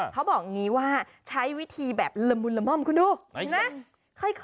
เขาบอกงี้ว่าใช้วิธีแบบละมุนละม่อมคุณดู